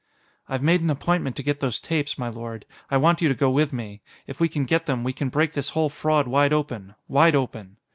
"I've made an appointment to get those tapes, my lord. I want you to go with me. If we can get them, we can break this whole fraud wide open. Wide open."